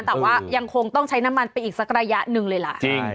แต่ว่ายังคงต้องใช้น้ำมันไปอีกสักระยะหนึ่งเลยล่ะ